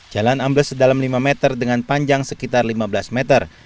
jalan ambles sedalam lima meter dengan panjang sekitar lima belas meter